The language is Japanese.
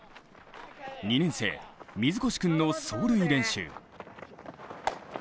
二年生・水越君の走塁練習。